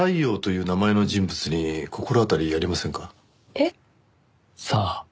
えっ？さあ。